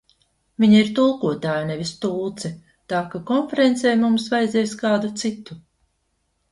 Viņa ir tulkotāja, nevis tulce, tā ka konferencei mums vajadzēs kādu citu.